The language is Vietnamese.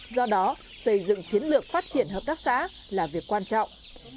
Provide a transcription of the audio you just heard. do đó xây dựng chiến lược phát triển hợp tác xã là việc quan trọng